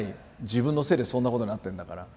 自分のせいでそんなことになってんだから。